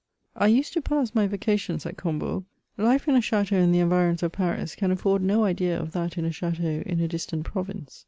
I used to pass my vacations at Combourg* Life in a ch&teau in the environs of Paris, can afford no idea of that in a ch&teau in a distant province.